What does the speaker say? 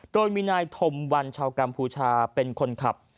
โดยมีนายธมวันชาวกัมพูชาเป็นคนขับ